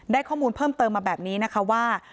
ข้อมูลเพิ่มเติมมาแบบนี้นะคะว่า